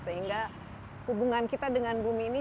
sehingga hubungan kita dengan bumi ini